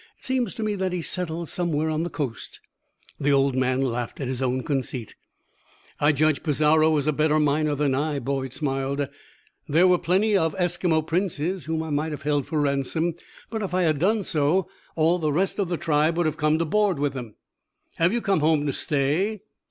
It seems to me that he settled somewhere on the Coast." The old man laughed at his own conceit. "I judge Pizarro was a better miner than I," Boyd smiled. "There were plenty of Esquimau princes whom I might have held for ransom, but if I had done so, all the rest of the tribe would have come to board with them." "Have you come home to stay?"